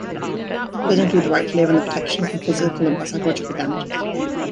Those include the right to live and the protection from physical and psychological damages.